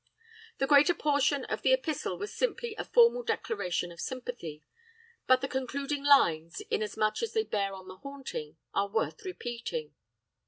"The greater portion of the epistle was simply a formal declaration of sympathy, but the concluding lines, inasmuch as they bear on the haunting, are worth repeating.